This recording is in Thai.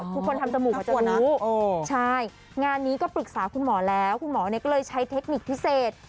ทำจมูกมันจะรู้ใช่งานนี้ก็ปรึกษาคุณหมอแล้วคุณหมอก็เลยใช้เทคนิคพิเศษ